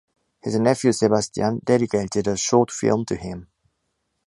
His nephew Sébastien dedicated a short film to him.